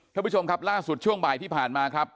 ท่านผู้ชมครับล่าสุดช่วงบ่ายที่ผ่านมาครับ